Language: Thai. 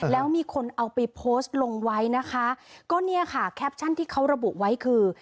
แล้วมีคนเอาไปโพสต์ลงไว้นะคะก็เนี่ยค่ะแคปชั่นที่เขาระบุไว้คือ